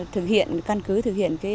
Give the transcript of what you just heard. thực hiện căn cứ thực hiện